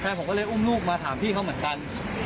ผมก็เลยอุ้มลูกมาถามพี่เขาเหมือนกัน